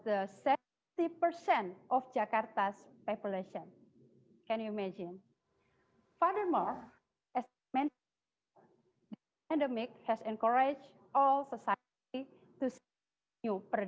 apakah ada yang bisa membantu saya dengan slide saya mengirim slide kemarin ada sesuatu yang salah